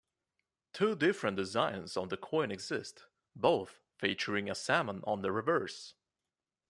Two different designs of the coin exist, both featuring a salmon on the reverse.